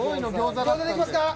餃子でいきますか。